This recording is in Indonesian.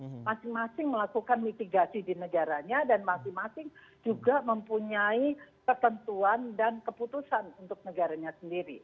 mereka masing masing melakukan mitigasi di negaranya dan masing masing juga mempunyai ketentuan dan keputusan untuk negaranya sendiri